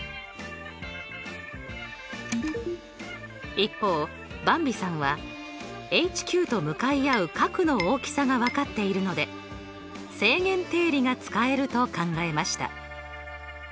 一方ばんびさんはＨＱと向かい合う角の大きさが分かっているので正弦定理が使えると考えました。